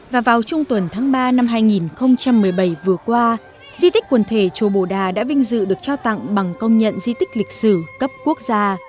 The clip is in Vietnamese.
và vào trung tuần tháng ba năm hai nghìn một mươi bảy vừa qua di tích quần thể chùa bồ đà đã vinh dự được trao tặng bằng công nhận di tích lịch sử cấp quốc gia